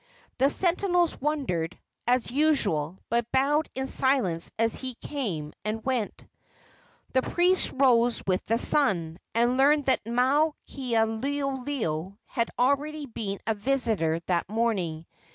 The sentinels wondered, as usual, but bowed in silence as he came and went. The priest rose with the sun, and learned that Maukaleoleo had already been a visitor that morning.